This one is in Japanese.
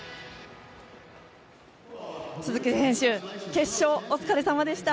鈴木選手決勝、お疲れさまでした。